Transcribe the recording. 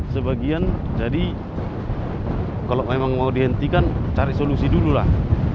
sebagian jadi kalau memang mau dihentikan cari solusi dulu lah